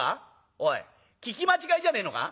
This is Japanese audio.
おい聞き間違いじゃねえのか？